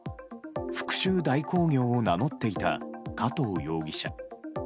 復讐代行業を名乗っていた加藤容疑者。